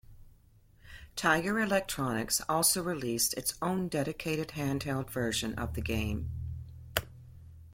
Tiger Electronics also released its own dedicated handheld version of the game.